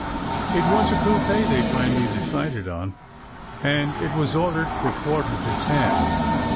It was a coupe they finally decided on, and it was ordered for a quarter to ten.